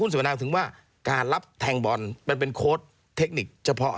เสวนาถึงว่าการรับแทงบอลมันเป็นโค้ดเทคนิคเฉพาะ